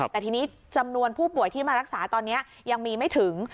แต่ทีนี้จำนวนผู้ป่วยที่มารักษาตอนนี้ยังมีไม่ถึง